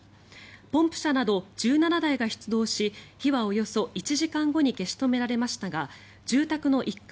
ポンプ車など１７台が出動し火はおよそ１時間後に消し止められましたが住宅の１階